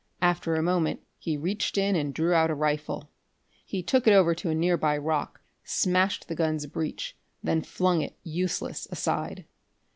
After a moment he reached in and drew out a rifle. He took it over to a nearby rock, smashed the gun's breech, then flung it, useless, aside.